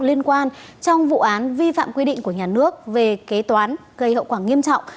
liên quan trong vụ án vi phạm quy định của nhà nước về kế toán gây hậu quả nghiêm trọng